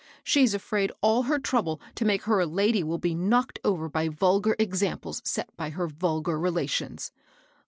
She's afraid all her trouble to make her a lady will be knocked over by vulgar examples set by her vul gar relations.